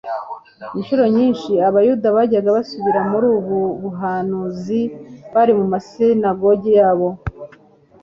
Inshuro nyinshi Abayuda bajyaga basubira muri ubu buhanuzibari mu masinagogi yabo ;